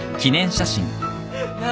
なあ